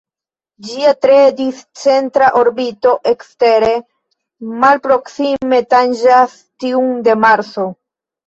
Ĝia tre discentra orbito ekstere malproksime tanĝas tiun de Marso.